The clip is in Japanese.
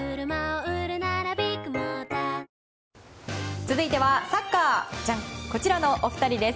続いてはサッカー、こちらの２人です。